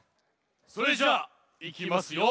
それじゃあいきますよ。